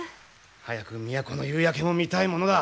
早く都の夕焼けも見たいものだ！